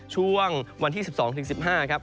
ช่วงวันที่๑๒๑๕ครับ